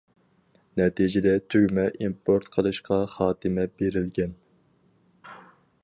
نەتىجىدە تۈگمە ئىمپورت قىلىشقا خاتىمە بېرىلگەن.